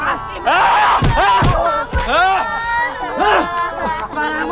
masih banyak barangmu